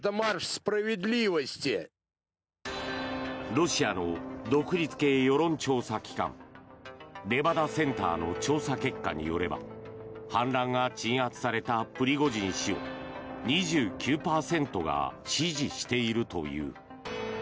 ロシアの独立系世論調査機関レバダ・センターの調査結果によれば反乱が鎮圧されたプリゴジン氏を２９％が支持しているという。